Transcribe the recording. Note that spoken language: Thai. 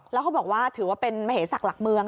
แล้วเขาบอกว่าถือว่าเป็นมเหศักดิ์หลักเมือง